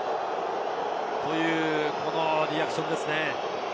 そういうこのリアクションですね。